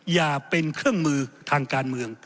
อย่าเป็นเครื่องมือทางการเมือง